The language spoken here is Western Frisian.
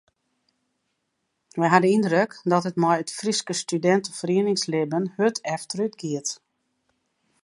Wy ha de yndruk dat it mei it Fryske studinteferieningslibben hurd efterútgiet.